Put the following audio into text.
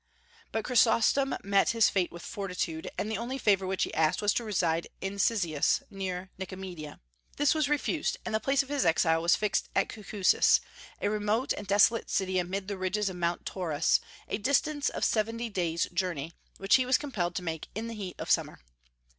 But Chrysostom met his fate with fortitude, and the only favor which he asked was to reside in Cyzicus, near Nicomedia. This was refused, and the place of his exile was fixed at Cucusus, a remote and desolate city amid the ridges of Mount Taurus; a distance of seventy days' journey, which he was compelled to make in the heat of summer.